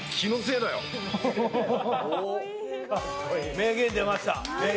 名言出ました！